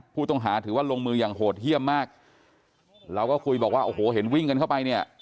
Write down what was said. ผู้ต้องหาถือว่าลงมืออย่างโหดเยี่ยมมากเราก็คุยบอกว่าโอ้โหเห็นวิ่งกันเข้าไปเนี่ย